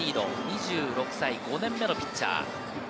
２６歳、５年目のピッチャー。